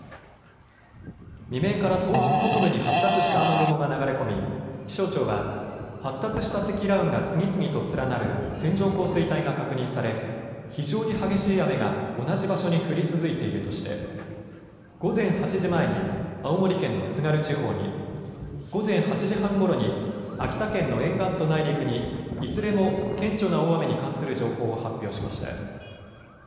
未明から東北北部に発達した雨雲が流れ込み気象庁は発達した積乱雲が次々と連なる線状降水帯が確認され非常に激しい雨が同じ場所に降り続いているとして午前８時前に青森県の津軽地方に、午前８時半ごろに秋田県の沿岸と内陸にいずれも顕著な大雨に関する情報を発表しました。